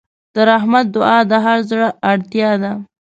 د رحمت دعا د هر زړه اړتیا ده.